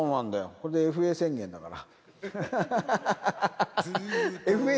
これでＦＡ宣言だから。